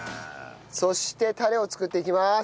そしてタレを作っていきます。